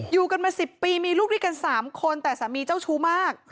อยู่กันมา๑๐ปีมีลูกด้วยกัน๓คนแต่สามีเจ้าชู้มาก